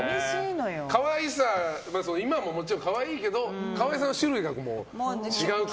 今ももちろん可愛いけど可愛さの種類が違うから。